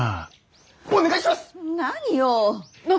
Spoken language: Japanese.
お願いします！